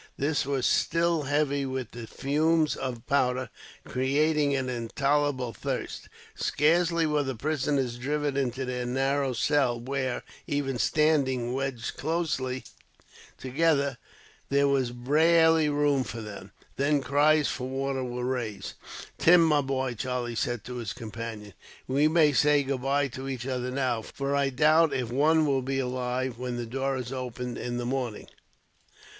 This was still heavy with the fumes of powder, creating an intolerable thirst. Scarcely were the prisoners driven into their narrow cell where, even standing wedged closely together, there was barely room for them, than cries for water were raised. "Tim, my boy," Charlie said to his companion, "we may say goodbye to each other now, for I doubt if one will be alive, when the door is opened in the morning."